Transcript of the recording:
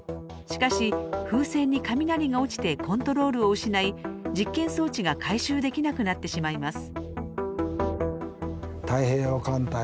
しかし風船に雷が落ちてコントロールを失い実験装置が回収できなくなってしまいます。